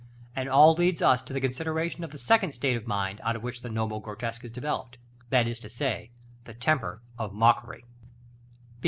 And this leads us to the consideration of the second state of mind out of which the noble grotesque is developed; that is to say, the temper of mockery.